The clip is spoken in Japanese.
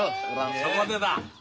そこでだ